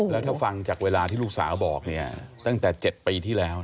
แล้วถ้าฟังจากเวลาที่ลูกสาวบอกเนี่ยตั้งแต่๗ปีที่แล้ว